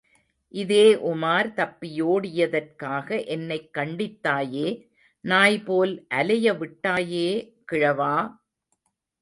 இதே உமார், தப்பியோடியதற்காக என்னைக் கண்டித்தாயே, நாய் போல் அலையவிட்டாயே, கிழவா!